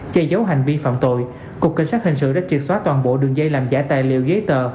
che giấu hành vi phạm tội cục cảnh sát hình sự đã triệt xóa toàn bộ đường dây làm giả tài liệu giấy tờ